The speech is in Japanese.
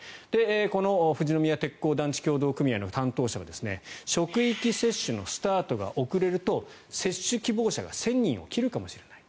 この富士宮鉄工団地協同組合の担当者は職域接種のスタートが遅れると接種希望者が１０００人を切るかもしれない。